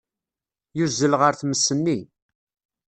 Yuzzel ɣer tmes-nni.